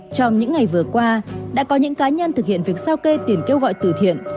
trong những ngày vừa qua đã có những cá nhân thực hiện việc sao kê tiền kêu gọi tử thiện